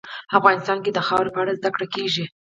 افغانستان کې د خاوره په اړه زده کړه کېږي.